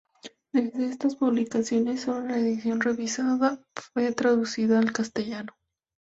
De estas publicaciones sólo la edición revisada fue traducida al castellano.